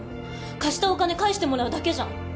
貸したお金返してもらうだけじゃん！